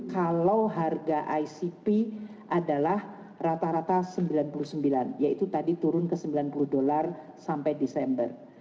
kalau harga icp adalah rata rata sembilan puluh sembilan yaitu tadi turun ke sembilan puluh dolar sampai desember